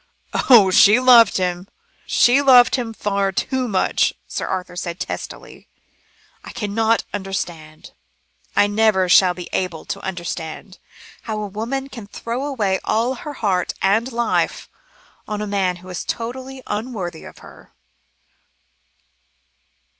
"Oh! she loved him she loved him far too much," Sir Arthur answered testily. "I cannot understand, I never shall be able to understand, how a woman can throw away all her heart and life, on a man who is totally unworthy of her."